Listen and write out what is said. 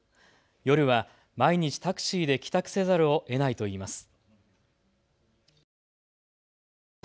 夜は毎日、タクシーで帰宅せざるをえないといいます。